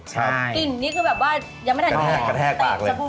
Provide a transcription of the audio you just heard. ใช่กลิ่นนี่คือแบบว่ายังไม่ถ่ายใจติดจบลูกแล้ว